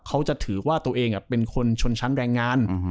เขาจะถือว่าตัวเองเป็นคนชนชั้นแรงงาน